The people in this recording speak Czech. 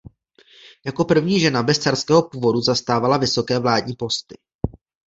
Jako první žena bez carského původu zastávala vysoké vládní posty.